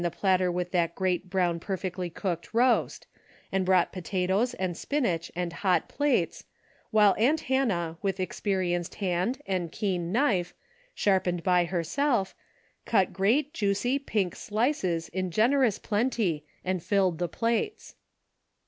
'^ the platter with that great brown perfectly cooked roast, and brought potatoes and spin ach and hot plates, while aunt Hannah with experienced hand and keen knife, sharpened by herself, cut great juicy pink slices in gen erous plenty and filled the plates.